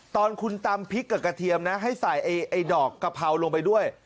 ตอนคุณตำพริกกับกระเทียมนะให้ใส่ไอ้ดอกกะเพราลงไปด้วย